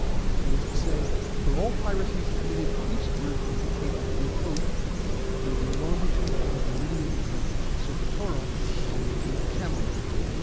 That is to say, for all piracies committed eastward of the Cape of Good Hope, to the longitude and meridian of Socatora and Cape Camorin.